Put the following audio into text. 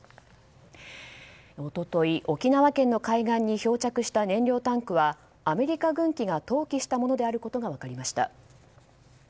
一昨日、沖縄県の海岸に漂着した燃料タンクは、アメリカ軍機が投棄したものであることが分かりました。